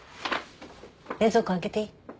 冷蔵庫開けていい？